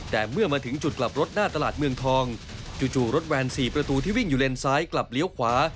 แต่เมื่อมาถึงจุดกลับรถหน้าตลาดเมืองทองจู่รถแวน๔ประตูที่วิ่งอยู่เลนซ้ายกลับเลี้ยวขวา